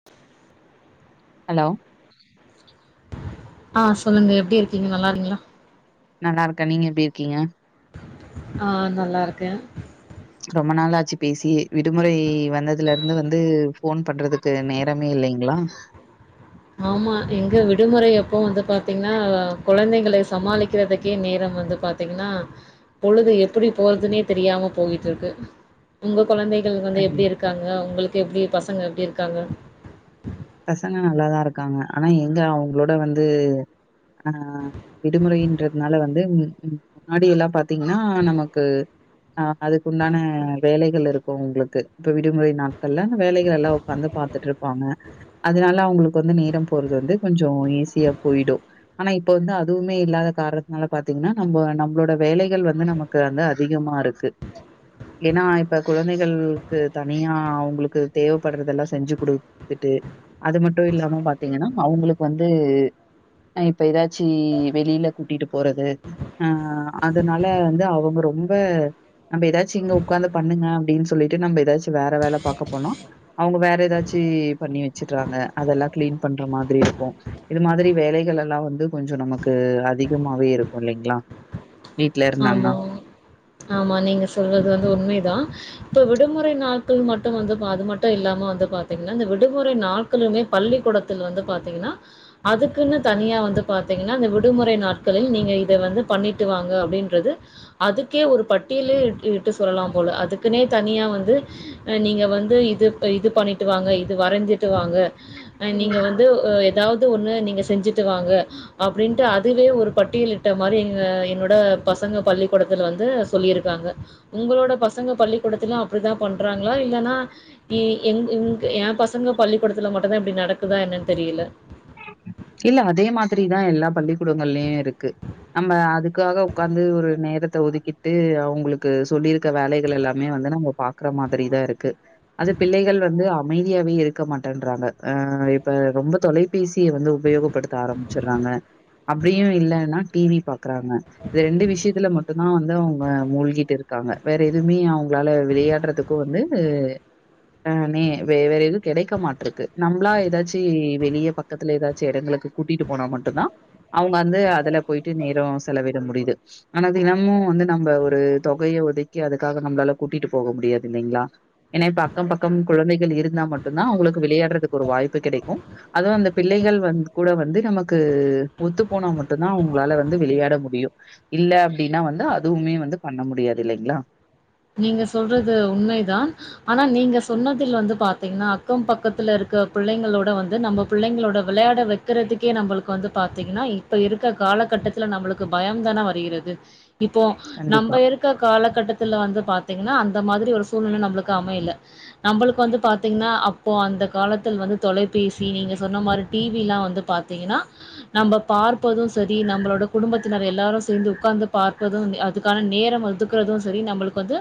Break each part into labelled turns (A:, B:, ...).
A: [inaudible]
B: Hello
A: ஆ சொல்லுங்க எப்டி இருக்கீங்க நல்லா இருங்ளா
B: நல்லா இருக்க நீங்க எப்டி இருக்கீங்க
A: ஆ நல்லா இருக்க
B: ரொம்ப நாளாச்சு பேசி விடுமுறை வந்ததுல இருந்து வந்து ஃபோன் பண்றது து நேரமே இல்லீங்களா
A: ஆமா எங்க விடுமுறை அப்போ வந்து பாத்தீங்ன்னா கொழந்தைங்களை சமாளிக்கறதுக்கே நேரம் வந்து பாத் தீங்கன்னா பொழுது எப்புடி போறதுனே தெரியாம போயிகிட்டு இருக்கு உங்க கொழந்தைகள் வந்து
B: அப்டி
A: எப்டி இருக்காங்க உங்களுக்கு எப்டி பசங்க எப்டி இருக்காங்க
B: பசங்க நல்லாதா இருக்காங்க ஆனா எங்க அவங்களோட வந்து ஆ விடுமுறைன்றதுனால வந்து ம் ம் முன்னாடி எல்லா பாத்தீங்கன்னா நமக்கு ஆ அதுக்கு உண்டான வேலைகள் இருக்கு உங்ளுக்கு இப்ப விடுமுறை நாட்கள்ல வேலைகள் எல்லா உக்காந்து ப த்துட்டு இருப்பாங்க அதனால அவங்களுக்கு வந்து நேரோ போறது வந்து கொஞ்சோ ஈஸியா போய்டு ஆனா இப்ப வந்து அதுவுமே இல்லாத காரணத்தினால பாத்தீங்கன்னா நம்போ நம்மளோட வேலைகள் வந்து நம க்கு வந்து அதிகமா இருக்கு இல்லனா இப்ப குழந்தைகளுக்கு தனியா அவங்களுக்கு தேவைப்படுறதெல்லா செஞ்சி குடு த்துட்டு அது மட்டு இல்லாம பாத்தீங்கன்னா அவங்களுக்கு வந்து அ இப்ப ஏதாச்சி வெளியில கூட்டிட்டு போறது அ அதனால வந்து அவுங்க ரொம்ப நம்ம ஏதாச்சி இங்க உக்காந்து பண்ணுங்க அப்டின்னு சொல்லிட்டு நம்ம ஏதாச்சியு வேற வேல பாக்க போனோ அவுங்க வேற ஏதாச்சி பண்ணி வச்சிறாங்க அதெல்லா கிளீன் பண்ற மாதிரி இருக்கு இது மாதிரி வேலைகள் எல்லா வந்து கொஞ்சோ நமக்கு அதிகமாவே இருக்கு இல்லைங்களா வீட்ல இருந்தாங்கன்னா.
A: ஆமா ஆமா நீங்க சொல்றது வந்து உண்மைதா இப்ப விடுமுறை நாட்கள் மட்டு வந்து பா அது மட்டு இல்லாம வந்து பாத்தீங்கன்னா இந்த விடுமுறை நாட் களுமே பள்ளிக்கூடத்தல வந்து பாத்தீங்கன்னா அதுக்குன்னு தனியா வந்து பாத்தீங்கன்னா இந்த விடுமுறை நாட்களில் நீங்க இத வந்து பண்ணிட்டு வாங்க அப்டின் றது அதுக்கே ஒரு பட்டியிலே இட் இட்டு சொல்லலா போல அதுக்குனே தனியா வந்து நீங்க வந்து இது அ இது பண்ணிட்டு வாங்க இது வரஞ்சிட்டு வாங்க அ நீங்க வந்து ஆ ஏதாவ்து ஒண்ணு நீங்க செஞ்சிட்டு வாங்க அப்டின்ட்டு அதுவே ஒரு பட்டியலிட்ட மாரி எங்க என்னோட பசங்க பள்ளிக்கூடத்துல வந்து சொல்லியிருக்காங்க உங்களோட பசங்க பள்ளிக்கூடத்துல அப்டித்தா பண்றாங்களா இல்லைன்னா எ எங் இங்க என் பசங்க பள்ளிக்கூடத்துல மட்டுதா இப்டி நடக்குதா என்னன்னு தெரியில
B: இல்ல அதே மாதிரிதா எல்லா பள்ளிக்கூடங்கள்ளியு இருக்கு நம்ம அதுக்காக உக்காந்து ஒரு நேரத்த ஒதுக்கிட்டு அவுங்களுக்கு சொல்லி இருக்க வேலைகள் எல்லாமே வந்து நம்ம பாக்கற மாதிரி தா இருக்கு அது பிள்ளைகள் வந்து அமைதியாவே இருக்க மாட்டேன்றங்க அ இப்ப ரொம்ப தொலை பேசிய வந்து உபயோகப்படுத்த ஆரம்பிச்சிறாங்க அப்டியு இல்லைன்னா டி வி பாக்றாங்க இது ரெண்டு விஷ்யத்துல மட்டுதா வந்து அவுங்க மூழ்கிட்டு இருக்காங்க வேற எதுவுமே அவுங்களால விளையாடுறதுக் கு வந்து ஆ னே வே வேற எதுவு கெடைக்க மாட்டிருக்கு நம்மளா ஏதாச்சி வெளிய ப க்கத்துல ஏதாச்சி எடங்களுக்கு கூட்டிட்டு போனா மட்டுதா அவுங்க வந்து அதுல போய்ட்டு நேரோ செலவிட முடியுது ஆனா தினமு வந்து நம்ம ஒரு தொகைய ஒதுக்கி அதுக்காக நம்மளால கூட்டிட்டு போக முடியாது இல்லைங்களா ஏன்னா அக்க பக்கோ குழந்தைகள் இருந்தா மட்டுதா அவுங்களுக்கு விளையாடுறதுக்கு ஒரு வாய்ப்பு கெடைக்கு அதுவு அந்த பிள்ளைகள் வந்து கூட வந்து நமக்கு ஒத்து போனா மட்டுதா அவுங்களால வந்து விளையாட முடியு இல்ல அப்டின்னா வந்து அதுவுமே வந்து பண்ண முடியாது இல்லைங்களா
A: நீங்க சொல்றது உண்மைதா ஆனா நீங்க சொன்னதில் வந்து பாத்தீங்கன்னா அக்க பக்கத்துல இருக்க பிள்ளைங்களோட வந்து நம்ப பிள்ளைங்களோட விளையாட வைக்கறதுக்கே நம்மளுக்கு வந்து பாத்தீங்கன்னா இப்ப இருக்க காலகட்டத் தில நம்பளுக்கு பய தானே வருகிறது இப்போ
B: கண்டிப்பா,
A: நம்ப இருக்க காலகட்டத்தில வந்து பாத்தீங்கன்னா அந்த மாதிரி ஒரு சூழ்நிலை நம்பளுக்கு அமையில நம்பளுக்கு வந்து பாத்தீங்கன்னா அப்போ அந்த காலத்தில் வந்து தொலைபேசி நீங்க சொன்ன மாரி டி வி எல்லா வந்து பா த்தீங்கன்னா நம்ப பார்ப்பது சரி நம்பளோட குடும்பத்தினர் எல்லாரு சேந்து உக்கார்ந்து பார்ப்பது நே அதுக்கான நேர ஒதுக்கறது சரி நம்பளுக்கு வந்து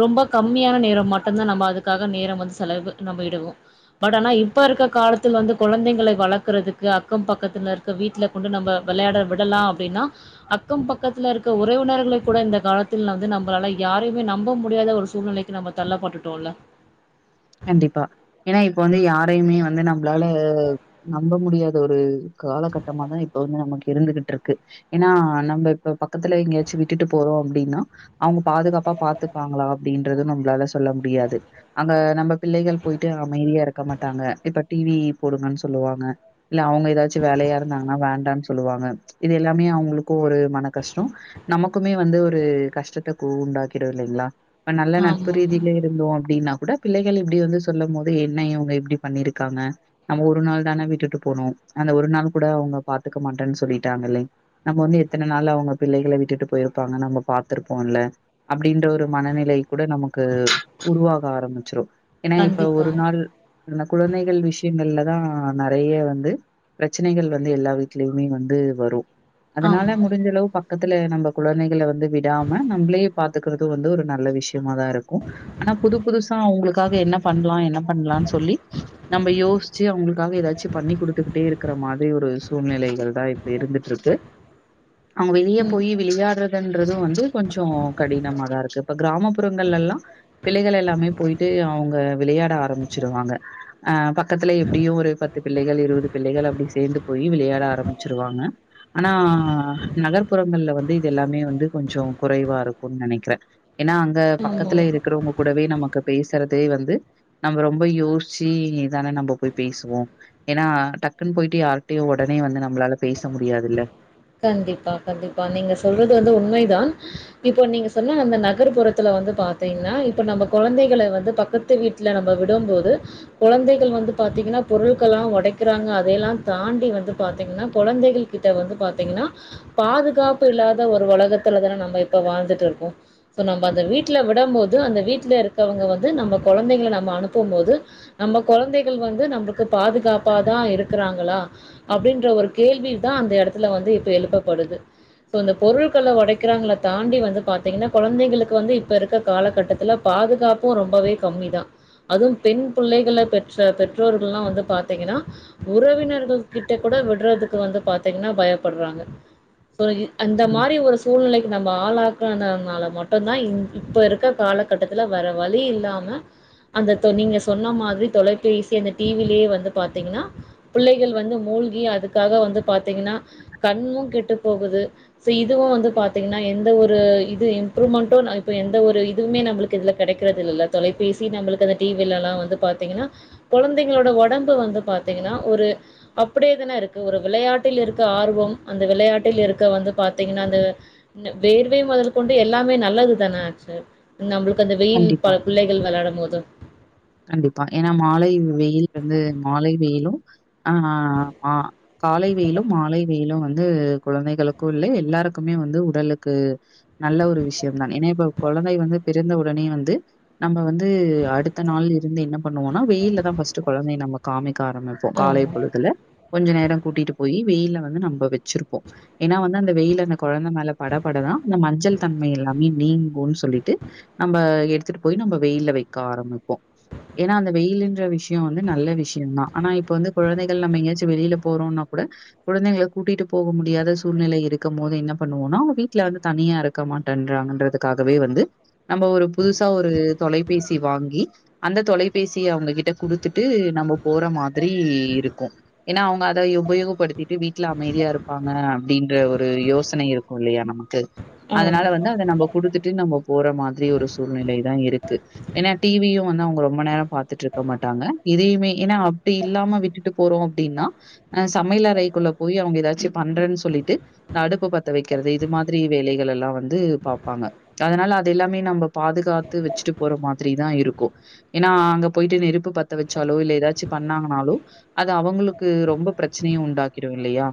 A: ரொம்ப கம்மியான நேர மட்டுதா நம்ம அதுக்காக நேர வந்து செலவு நம்ம இடுவோ பட் ஆனா இப்ப இருக்க காலத்தில் வந்து கொழந்தைங்களை வளக்கறதுக்கு அக்க பக்கத்தினர் ருக்க வீட்ல கொண்டு நம்ம விளையாட விடலா அப்டின்னா அக்க பக்கத்தில இருக்க உறவினர்களை கூட இந்த காலத்தில் வந்து நம்பளால யாரையு மே நம்ப முடியாத ஒரு சூழ்நிலைக்கி நம்ம தள்ளப்பட்டுட்டோம்ல்ல
B: கண்டிப்பா ஏன்னா இப்ப வந்து யாரையுமே வந்து நம்மளால நம்ப முடியாத ஒரு காலகட்டமாதா இப்ப வந்து நமக்கு இருந்துகிட்டுருக்கு ஏனா நம்ம இப்ப பக்கத்துல எங்கயாச்சு விட்டுட்டு போறோ அப்டின்னா அவுங்க பாதுகாப்பா பாத்துக்குவாங்களா அப்டின்றது நம்ளால சொல்ல முடியாது அங்க நம்ப பிள்ளைகள் போய்ட்டு அமைதியா இருக்க மாட்டாங்க இப்ப டி வி போடுங்கன்னு சொல்லுவாங்க இல்ல அவுங்க ஏதாச்சு வேலயா இருந்தாங்கன்னா வேண்டான்னு சொல்லுவாங்க இது எல்லாமே அவங்களுக்கு ஒரு மன கஷ்டம் நமக்குமே வந்து ஒரு கஷ்டத்த கு உண்டாக்கிடும் இல்லைங்களா ப நல்ல நட்பு
A: ஆமா
B: ரீதில இருந்தோ அப்டின்னா கூட பிள்ளைகள் இப்டி வந்து சொல்லும்மோது என்ன இவுங்க இப்டி பண்ணிருக்காங்க நம்ம ஒரு நாள் தான வீட்டுட்டு போனோ அந்த ஒரு நாள் கூட அவுங்க பாத்துக்க மாட்டன்னு சொல்லிட்டாங்கலே நம்ம வந்து எத்தன நாள் அவுங்க பிள்ளைகள விட்டுட்டு போயிருப்பாங்க நம்ப பாத்துருப்போம்ல அப்டின்ற ஒரு மனநிலை கூட நமக்கு உருவாக ஆரம்பி ச்சிரும் ஏனா இப்ப
A: கண்டிப்பா
B: ஒரு நாள் அந்த குழந்தைகள் விஷயங்கள்லதா நறைய வந்து பிரச்சனைகள் வந்து எல்லா வீட்லயுமே வந்து வரும் அதனால
A: ஆமா
B: முடிஞ்சளவு பக் பக்கத்துல நம்ப குழந்தைகள வந்து விடாம நம்ளயே பாத்துக்குறது வந்து ஒரு நல்ல விஷயமாதா இருக்கும் ஆனா புது புதுஸ் அ அவங்களுக்காக என்ன பண்லாம் என்ன பண்லாம்னு சொல்லி நம்ப யோசிச்சு அவுங்களுக்காக ஏதாச்சு பண்ணி குடுத்துக்கிட்டே இருக்குற மாதிரி ஒரு சூழ்நிலைகள்தா இப்ப இருந்துட்ருக்கு அவுங்க வெளிய போயி விளையாட்றதுன்றதும் வந்து கொஞ்ச கடினமாதாருக்கு இப்ப கிராமப்புறங்கள்லல்லாம் பிள்ளைகள் எல்லாமே போய்ட்டு அவுங்க விளையாட ஆரம்பிச்சிருவாங்க அ பக்கத்துல எப்டியும் ஒரு பத்து பிள்ளைகள் இருவது பிள்ளைகள் அப்டி சேந்து போயி விளையாட ஆரம்பிச்சிருவாங்க ஆனா நகர்புறங்கள்ல வந்து இது எல்லாமே வந்து கொஞ்ச குறைவாருக்குன்னு நனைக்கிறே ஏன்னா அங்க
A: ஆமா
B: பக்கத்துல இருக்கிறவுங்க கூடவே நமக்கு பேசுறதே வந்து நம்ப ரொம்ப யோசிச்சி தான நம்ப போய் பேசுவோ ஏனா டக்குன்னு போய்ட்டு யார்கிட்டயு உடனே வந்து நம்ளால பேச முடியாதுல்ல
A: கண்டிப்பா கண்டிப்பா நீங்க சொல்றது வந்து உண்மைதா இப்ப நீங்க சொன்ன அந்த நகர்புறத்துல வந்து பாத்தீங்ன்னா இப்ப நம்ப கொழந்தைகள வந்து பக்கத்து வீட் டுல நம்ப விடம்போது கொழந்தைகள் வந்து பாத்தீங்ன்னா பொருள்கள்லா ஒடைக்கிறாங்க அதை எல்லாம் தாண்டி வந்து பாத்தீங்கன்னா கொழந்தைகளுக் கிட்ட வந்து பாத்தீங்கன்னா பாதுகாப்பு இல்லாத ஒரு ஒலகத்துலதான நம்ம இப்ப வாழ்ந்துட்டு இருக்கோம் சோ நம்ப அந்த வீட்ல விடம் போது அந்த வீட்ல இருக்கவங்க வந்து நம்ப கொழந்தைகள நம்ம அனுப்பும்போது நம்ம கொழந்தைகள் வந்து நம்பக்கு பாதுகாப்பாதான் இருக்குறாங்களா அப்டின்ற ஒரு கேள்விதா அந்த எடத்துல வந்து இப்ப எழுப்பபடுது சோ இந்த பொருள்கள ஒடைக்கிறாங்கள தாண்டி வந்து பாத்தீங்கன்னா கொழந்தைங்களுக்கு வந்து இப்ப இருக்க காலகட்டத்துல பாதுகாப்பும் ரொம்பவே கம்மிதா அதும் பெண் புள்ளைகள பெற்ற பெற்றோர்கள்லாம் வந்து பாத்தீங்கனா உறவினர்கள் கிட்ட கூட விட்றதுக்கு வந்து பாத்தீங்ன்னா பயப்பட்றாங்க சொ இ அந்த
B: கண்
A: மாரி ஒரு சூழ்நிலைக்கு நம்ம ஆளாக்கனதுனால மட்டும்தா இப்ப இருக்க காலகட்டத்துல வேற வழி இல்லாம அந்த தொ நீங்க சொன்ன மாதிரி தொலைபேசி அந்த டி வி லே வந்து பாத்தீங்கன்னா பிள்ளைகள் வந்து மூழ்கி அதுக்காக வந்து பாத்தீங்ன்னா கண்ணும் கெட்டு போகுது சோ இதுவும் வந்து பாத்தீங்னா எந்த ஒரு இது இம்ப்ரூவ்மண்ட்டு இப்ப எந்த ஒரு இதுமே நம்மளுக்கு இதுல கிடைக்கிறது இல்லல தொலைபேசி நம்மளுக்கு அந்த டி வி லல்லா வந்து பாத்தீங்னா கொழந்தைங்களோட ஒடம்பு வந்து பாத்தீங்கன்னா ஒரு அப்டியேதான இருக்கு ஒரு விளையாட்டில் இருக் க ஆர்வம் அந்த விளையாட்டில் இருக்க வந்து பாத்தீங்ன்னா அந்த த வேர்வை மொதல் கொண்டு எல்லாமே நல்லதுதான ஆச்சு நம்பளுக்கு அந்த வெயில்
B: கண்டிப்பா.
A: பல பிள்ளைகள் வெளையாடும் போது
B: கண்டிப்பா ஏனா மாலை வெயில் வந்து மாலை வெயிலும் ஆ அ காலை வெயிலு மாலை வெயிலு வந்து குழந்தைகளுக்கு இல்ல எல்லாருக்குமே வந்து உடலுக்கு நல்ல ஒரு விஷயம்தா ஏன்னா இப்ப குழந்தை வந்து பிறந்தவுடனே வந்து நம்ம வந்து அடு மத்த நாளா இருந்து என்ன பண்ணுவோம்னா வெயிலதா ஃபஸ்ட் கொழந்தைய நம்ம காமிக்க ஆரம்பிப்போ காலை
A: ஆமா.
B: பொழுதுல கொஞ்ச நேரோ கூட்டிட்டு போய் வெயில வந்து நம்ம வெச்சிருப்போ ஏன்னா வந்து அந்த வெயில அந்த குழந்தை மேல பட படதா அந்த மஞ்சள் தன்மை எல்லாமே நீங்கோன்னு சொல்லிட்டு நம்ம எடுத்துட்டு போய் நம்ம வெயில வெக்க ஆரம்பிப்போ ஏன்னா அந்த வெயில்ன்ற விஷயோ வந்து நல்ல விஷயோதா ஆனா இப்ப வந்து குழந்தைகள் நம்ம எங்கயாச்சு வெளியில போறோனா கூட குழந்தைகள கூட்டிட்டு போக முடியாத சூழ்நிலை இருக்கு போது என்ன பண்ணுவோனா அவங் வீட்ல வந்து தனியா இருக் இருக்க மாட்டேன்றாங்கன்றதுக்காகவே வந்து நம்ம ஒரு புதுசா ஒரு தொலைபேசி வாங்கி அந்த தொலைபேசி அவங்ககிட்ட குடுத்துட்டு நம்ம போற மாதிரி இருக்கு ஏன்னா அவங்க அத உபயோகப்படுத்திட்டு வீட்ல அமைதியா இருப்பாங்க அப்டின்ற ஒரு யோசனைய இரு உள்ளையா நமக்கு அதனால
A: ஆமா,
B: வந்து அத நம்ம குடுத்துட்டு நம்ம போற மாரி ஒரு சூழ்நிலை தா இருக்கு ஏனா டி வியூ வந்து அவங்க ரொம்ப நேரோ பாத்துட்டு இருக்க மாட்டாங்க இதையுமே ஏன்னா அப்டி இல்லாம விட்டுட்டு போறோ அப்டின்னா அ சமையல் அறைக்குள்ள போய் அவங்க ஏதாச்சு பண்றேன்னு சொல்லிட்டு அடுப்பு பத்த வெக்றது இது மாதிரி வேலைகள் எல்லா வந்து பாப்பாங்க அதனால அது எல்லாமே நம்ம பாதுகாத்து வெச்சுட்டு போற மாதிரிதா இருக் கு ஏன்னா அங்க போய்ட்டு நெருப்பு பத்த வெச்சாலோ இல்ல ஏதாச்சு பண்ணாங்கனாலோ அது அவங்களுக்கு ரொம்ப பிரச்சனைய உண்டாக்கிடு இல்லையா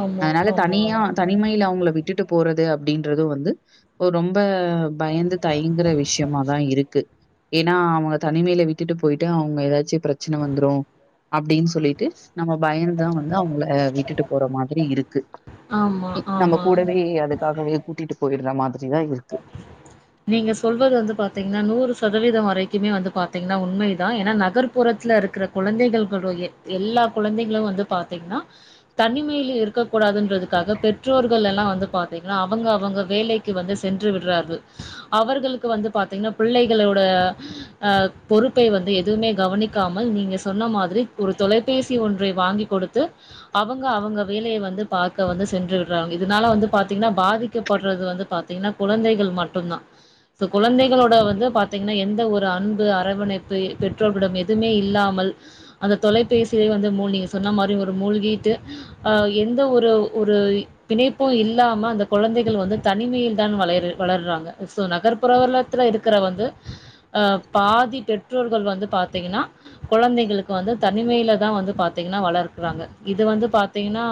A: ஆமா,
B: அதனால
A: ஆமா,
B: தனியா த
A: ஆமா,
B: தனிமையில அவங்கள விட்டுட்டு போறது அப்டின்றது வந்து ரொம்ப பயந்து தயங்கற விஷ விஷயமாதா இருக்கு ஏன்னா அவங்க தனிமையில விட்டுட்டு போய்ட்டு அவங்க ஏதாச்சு பிரச்சன வந்துரு அப்டின்னு சொல்லிட்டு நம்ம பயந்துதா வந்து அவங்கள விட்டுட்டு போற மாதிரி இருக்கு
A: ஆமா,
B: நம்ம
A: ஆமா.
B: கூடவே அதுக்காகவே கூட்டிட்டு போய்டுற மாரிதா இருக்கு
A: நீங்க சொல்வது வந்து பாத்தீங்னா நூறு சதவீத வரைக்குமே வந்து பாத்தீங்னா உண்மைதா ஏன்னா நகர்ப்புறத்துல இருக்கிற குழந்தைகளு எ எல்லா குழந்தைகளு வந்து பாத்தீங்னா தனிமையில இருக்க கூடாதுன்றதுக்காக பெற்றோர்கள் எல்லா வந்து பாத்தீங்னா அவங்க அவங்க வேலைக்கு வந்து சென்று விடுறார்கள் அவர்களுக்கு வந்து பாத்தீங்னா பிள்ளைகளோட அ பொறுப்பை வந்து எதுவுமே கவனிக்காமல் நீங்க சொன்ன மாதிரி ஒரு தொலைபேசி ஒன்றை வாங்கி கொடுத்து அவங்க அவங்க வேலையை வந்து பாக்க வந்து சென்று விடுறாங்க இதுனால வந்து பாத்தீங்னா பாதிக்கப்படுறது வந்து பாத் பாத்தீங்னா குழந்தைகள் மட்டுதா சோ குழந்தைகளோட வந்து பாத்தீங்னா எந்த ஒரு அன்பு அரவணைப்பு பெற்றோர்களிட எதுமே இல்லாமல் அந்த தொலைபேசியே வந்து மூழ்கிட்டு நீங்க சொன்ன மாரி ஒரு மூழ்கீட்டு ஆ எந்த ஒரு ஒரு பிணைப்பு இல்லாம அந்த குழந்தைக வந்து தனிமையி தா வளை வளர்றாங்க சோ நகர்ப்புற வலத்துல இருக்கிற வந்து அஹ் பாதி பெற்றோர்கள் வந்து பாத்தீங்கனா கொழந்தைங்களுக்கு வந்து தனிமையில தா வந்து பாத்தீங்னா வளர்கக்குறாங்க இது வந்து பா பாத்தீங்னா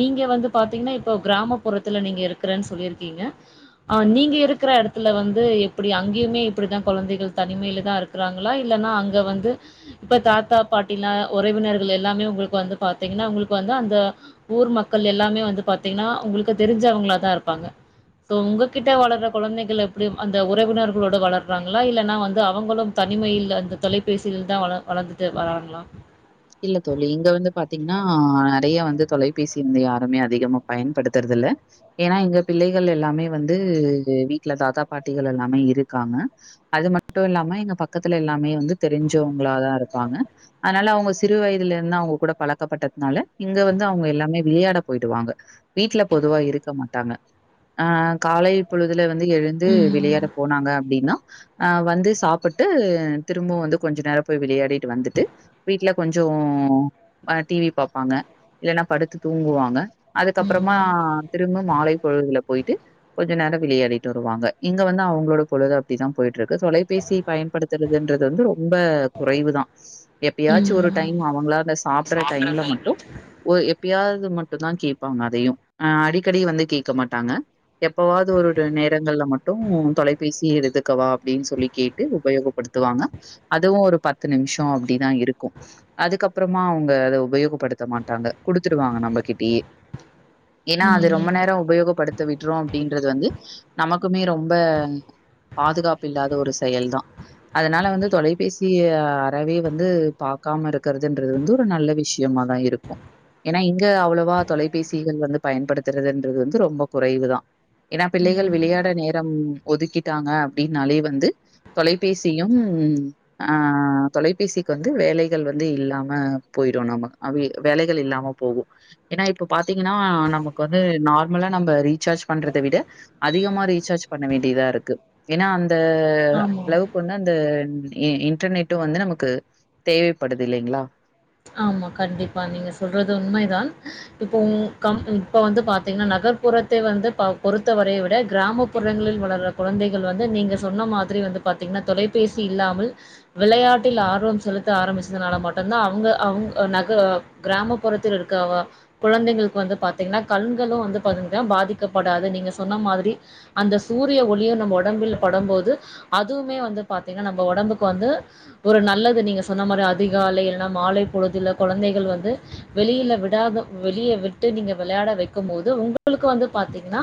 A: நீங்க வந்து பாத்தீங்னா இப்போ கிராமப்புறத்தல நீங்க இருக்கிறன்னு சொல்லியிருக்கீங்க ஆஹ் நீங்க இருக்கிற இடத்துல வந்து எப்டி அங்கேயுமே இபடிதா குழந்தைகள் தனிமையில தா இருக் க்கறாங்களா இல்லன்னா அங்க வந்து இப்ப தாத்தா பாட்டிலா உறவினர்கள் எல்லாமே உங்களுக்கு வந்து பாத்தீங்னா உங்களுக்கு வந்து அந்த ஊர் மக்கள் எல்லாமே வந்து பாத்தீங்னா உங்களுக்கு தெரிஞ்சவங்கள தா இருப்பாங்க சோ உங்க கிட்ட வளர்ற குழந்தைகள் எப்டி அந்த உறவினர்களோட வளர்றாங்களா இல்லன்னா வந்து அவங்களு தனிமையில அந்த தொலை பேசிகள் தா வள வளர்ந்துட்டு வரங்களா
B: இல்ல தோழி இங்க வந்து பாத்தீங்னா நெறைய வந்து தொலைபேசி வந்து யாருமே அதிகமா பயன்படுத்துறது இல்ல ஏன்னா இங்க பிள்ளைகள் எல்லாமே வந்து வீட்ல தாத்தா பாட்டிகள் எல்லாமே இருக்காங்க அது மட்டு இல்லாம இங்க பக்கத்துல எல்லாமே வந்து தெரிஞ்சவுங்களாதா இருப்பாங்க அதனால அவுங் சிறு வயதுல இருந்து அவங்க கூட பழக்கப்பட்டதுனால இங்க வந்து அவங்க எல்லாமே விளையாட போயிடவாங்க வீட்டுல பொதுவா இருக்க மாட்டாங்க ஆ காலை பொழுதுல வந்து எழுந்து விளையாட
A: ம்.
B: போனாங்க அப்படின்னா ஆ வந்து சாப்பிட்டு திரும்பவும் வந்து கொஞ்ச நேரோ போய் விளையாடிட்டு வந்துட்டு வீட்டுல கொஞ்சோ பா டி வி பாப்பாங்க இல்லைன்னா படுத்து தூங்குவாங்க அதுக்கப்புறமா
A: ம்.
B: திரும்ப மாலை பொழுதுல போயிட்டு கொஞ்ச நேரோ விளையாடிட்டு வருவாங்க இங்க வந்து அவங்களோட பொழுது அப்டிதா போயிட்டு இருக்கு தொலைபேசியை பயன்படுத் துறதுன்றது வந்து ரொம்ப குறைவு தா எப் ச்சு ஒரு
A: ம்.
B: டைம் ஆவங்களா அந்த சாப்பிற டைம்ல மட்டும் எப்பயாவது மட்டும் தா கேட்பாங்க அதையும் ஆ அடிக்கடி வந்து கேட்க மாட்டாங்க எப்பவாது ஒரு நேரங்கள்ல மட்டும் தொலைபேசி எடுத்துக்கவா அப்டின்னு சொல்லி கேட்டு உபயோக படுத்துவாங்க அதுவும் ஒரு பத்து நிம்ஷோ அப்டிதா இருக்கு க்கும் அதுக்கப்பறமா அவங்க அத உபயோகப்படுத்த மாட்டாங்க குடுத்துருவாங்க நம்மகிட்டயே ஏன்னா அது ரொம்ப
A: ம்.
B: நேரோ உபயோகப்படுத்த விட்றோ அப்டின்றது வந்து நமக்குமே ரொம்ப பாதுகாப்பு இல்லாத ஒரு செயல் தா அதனால வந்து தொலைபேசிய அறவே வந்து பாக்காம இருக்கிறதுன்றது வந்து ஒரு நல்ல விஷ்யமாதா இருக்கும் ஏன்னா இங்க அவ்வளவா தொலைபேசிகள் வந்து பயன்படுத்துறதுன்றது வந்து ரொம்ப குறைவு தா ஏன்னா பிள்ளைகள்
A: ம்.
B: விளையாட நேரம் ஒதுக்கிட்டாங்க அப்டின்னாலே வந்து தொலைபேசியும் ஆ தொலைபேசிக்கு வந்து வேலைகள் வந்து இல்லாம போயிடும் நம்ம அபி வேலைகள் இல்லாம போகும் ஏன்னா இப்போ பாத்தீங்கன்னா நமக்கு வந்து நார்மலா நம்ம ரீசார்ஜ் பண்றத விட அதிகமா ரீசார்ஜ் பண்ண வேண்டியதா இருக்கு ஏன்னா அந்த அந்த
A: ஆமா.
B: அளவுக்கு வந்து அந்த இன்டர்நெட்டும் வந்து நமக்கு தேவைப்படுது இல்லைங்களா
A: ஆமா கண்டிப்பா நீங்க சொல்றது உண்மைதான் இப்ப கம் இப்ப வந்து பாத்தீங்கன்னா நகர்ப்புறத்தை வந்து பொறுத்தவரை விட கிராமப் புறங்களில் வளர்ற குழந்தைகள் வந்து நீங்க சொன்ன மாதிரி வந்து பாத்தீங்கன்னா தொலைபேசி இல்லாமல் விளையாட்டில் ஆர்வம் செலுத்த ஆரம்பிச்சதுனால மட்டுந்தா அவங்க அவங்க நக கிராமப்புறத்தில் இருக்கங்க குழந்தைங்களுக்கு வந்து பாத்தீங்கன்னா கண்களும் வந்து பாத்தீங்கன்னா பாதிக்கப்படாது நீங்க சொன்ன மாதிரி அந்த சூரிய ஒளியு நம்ம உடம்பில் படம் போது அதுவுமே வந்து பாத்தீங்கா நம்ம ஒடம்புக்கு வந்து ஒரு நல்லது நீங்க சொன்ன மாதிரி அதிகாலை இல்லன்னா மாலை பொழுதுள்ள குழந்தைகள் வந்து வெளியில விடாத வெளியே விட்டு நீங்க விளையாட வைக்கும் போது உங்க உங்களுக்கு வந்து பாத்தீங்கன்னா